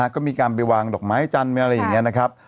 ก็มีการไปวางดอกไม้จันทร์อะไรเงี้ยนะครับ